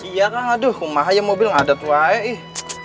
iya kang aduh kemah aja mobil ngadat wah